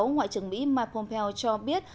ngoại trưởng mỹ mike pompeo cho biết